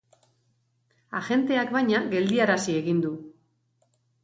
Agenteak, baina, geldiarazi egin du.